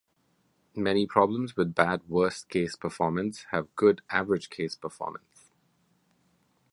Many problems with bad worst-case performance have good average-case performance.